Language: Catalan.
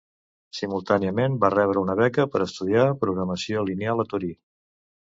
Simultàniament va rebre una beca per estudiar programació lineal a Torí.